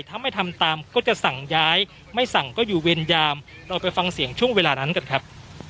ถ้าไม่ทำตามก็จะสั่งย้ายไม่สั่งก็อยู่เวรยามเราไปฟังเสียงช่วงเวลานั้นกันครับ